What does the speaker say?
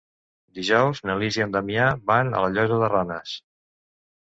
Dijous na Lis i en Damià van a la Llosa de Ranes.